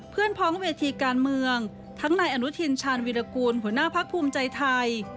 พ้องเวทีการเมืองทั้งนายอนุทินชาญวิรากูลหัวหน้าพักภูมิใจไทย